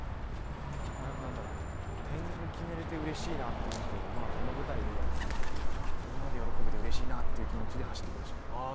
なんだろう、点を決めれてうれしいなってこととこの舞台でみんなで喜べてうれしいなという気持ちで走ってきましたね。